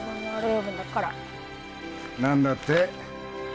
何だって？